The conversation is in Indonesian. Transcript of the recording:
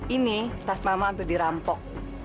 ini tas mama hampir dirampok